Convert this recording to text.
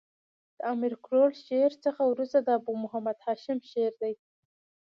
د امیر کروړ شعر څخه ورسته د ابو محمد هاشم شعر دﺉ.